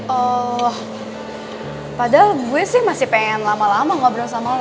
oh padahal gue sih masih pengen lama lama ngobrol sama orang